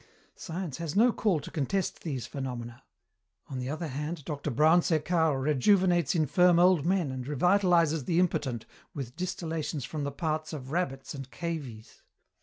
Science has no call to contest these phenomena. On the other hand, Dr. Brown Sequard rejuvenates infirm old men and revitalizes the impotent with distillations from the parts of rabbits and cavies.